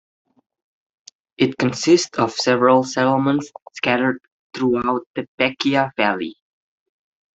It consists of several settlements scattered throughout the Peccia valley.